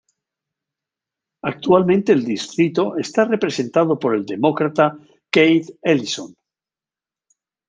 Actualmente el distrito está representado por el Demócrata Keith Ellison.